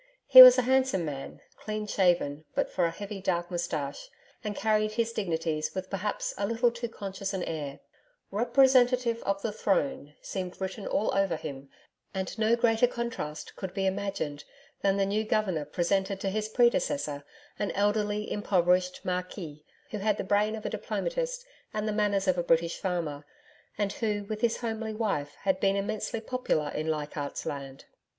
He was a handsome man, clean shaven but for a heavy dark moustache, and carried his dignities with perhaps a little too conscious an air 'Representative of the Throne' seemed written all over him and no greater contrast could be imagined than the new Governor presented to his predecessor, an elderly, impoverished marquis who had the brain of a diplomatist and the manners of a British farmer, and who with his homely wife had been immensely popular in Leichardt's Land.